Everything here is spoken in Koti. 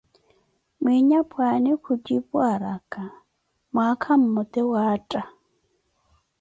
Mwinyapwaani kujipu araka, mwaka mmote waatta